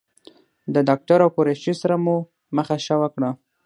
د ډاکټر او قریشي سره مو مخه ښه وکړه.